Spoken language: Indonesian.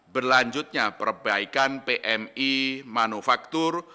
berlanjutnya perbaikan pmi manufaktur